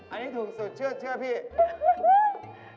อันนี้ถูกสุดเชื่อพี่